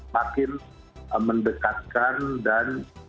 makin mendekatkan dan